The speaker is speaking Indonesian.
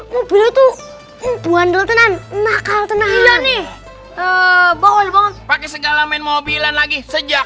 mobil itu buang dua tenan nakal tenang nih eh bawa pake segala main mobilan lagi sejak